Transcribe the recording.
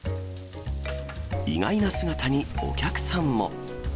意外な姿にお客さんも。